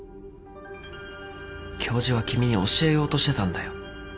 教授は君に教えようとしてたんだよ。